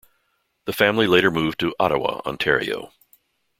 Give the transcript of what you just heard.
The family later moved to Ottawa, Ontario.